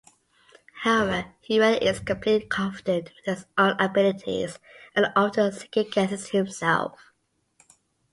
However, he rarely is completely confident with his own abilities and often second-guesses himself.